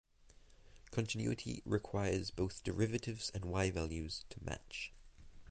Continuity requires both derivatives and y values to match